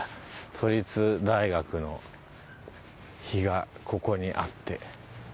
都立大学の碑がここにあって。